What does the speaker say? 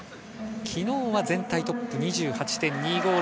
昨日は全体トップ２８．２５０